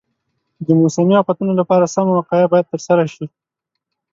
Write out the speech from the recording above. د موسمي افتونو لپاره سمه وقایه باید ترسره شي.